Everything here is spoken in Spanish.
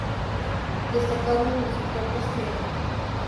Destacando en el sector pesquero.